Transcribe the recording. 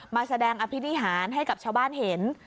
มาแสดงอภินิหารให้กับชาวบ้านเห็น